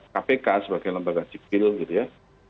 kpk sebagai lembaga sipil gitu ya